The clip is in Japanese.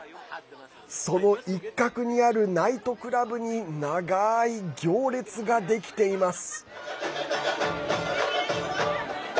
その一角にあるナイトクラブに長い行列ができています。